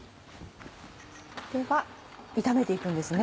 では炒めていくんですね。